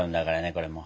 これもう！